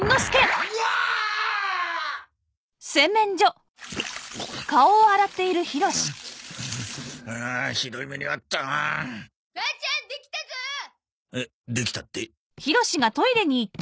えっできたって？